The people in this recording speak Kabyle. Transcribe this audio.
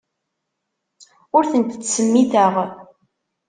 Ur tent-ttsemmiteɣ.